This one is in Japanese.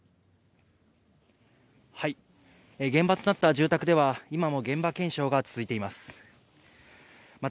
現場となった住宅では、今も現場検証が続いています。